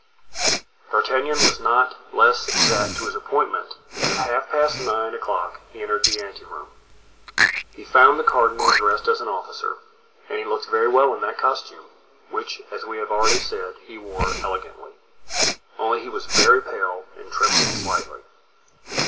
D'Artagnan was not less exact to his appointment and at half past nine o'clock he entered the ante room. He found the cardinal dressed as an officer, and he looked very well in that costume, which, as we have already said, he wore elegantly; only he was very pale and trembled slightly.